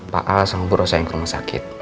pak al sama bu ros saya yang ke rumah sakit